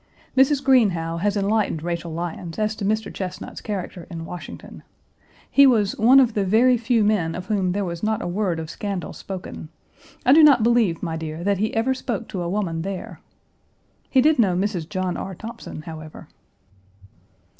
Mrs. Greenhow has enlightened Rachel Lyons as to Mr. Chesnut's character in Washington. He was "one of the very few men of whom there was not a word of scandal spoken. I do not believe, my dear, that he ever spoke to a woman there." He did know Mrs. John R. Thompson, however.